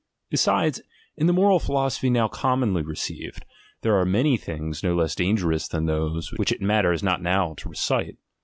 Besides, in the moral phi losophy now commonly received, there are many things no less dangerous than those, which it mat ters not now to recite.